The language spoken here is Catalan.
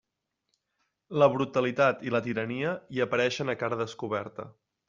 La brutalitat i la tirania hi apareixen a cara descoberta.